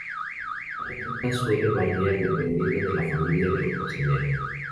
La receta suele variar dependiendo de la familia, del cocinero.